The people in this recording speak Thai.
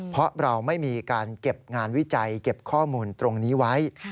เพราะเราไม่มีการเก็บงานวิจัยเก็บข้อมูลตรงนี้ไว้